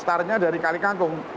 startnya dari kali kangkung